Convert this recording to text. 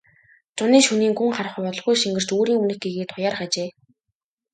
Зуны шөнийн гүн харанхуй удалгүй шингэрч үүрийн өмнөх гэгээ туяарах ажээ.